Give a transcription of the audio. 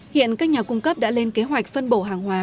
hiện các nhà cung cấp đã lên kế hoạch phân bổ hàng hóa